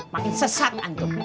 makin sesat antum